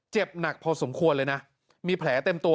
เจ็บหนักพอสมควรเลยนะมีแผลเต็มตัว